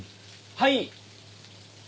はい。